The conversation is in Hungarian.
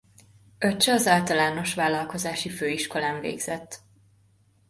Öccse az Általános Vállalkozási Főiskolán végzett.